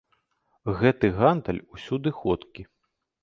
Гэты гандаль усюды ходкі.